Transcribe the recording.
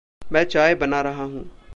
मैं चाय बना रहा हूँ।